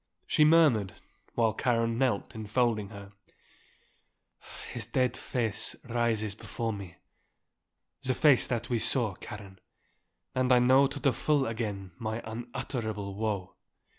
She murmured, while Karen knelt enfolding her, "His dead face rises before me. The face that we saw, Karen. And I know to the full again my unutterable woe."